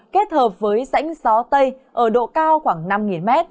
kết hợp với rãnh gió tây ở độ cao khoảng năm m